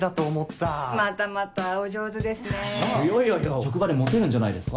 職場でモテるんじゃないですか？